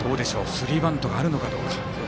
スリーバントがあるのかどうか。